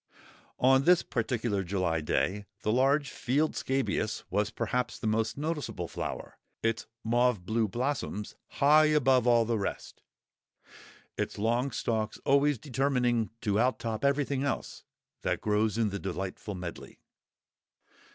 On this particular July day the large field scabious was perhaps the most noticeable flower; its mauve blue blossoms high above all the rest; its long stalks always determining to out top everything else that grows in the delightful medley.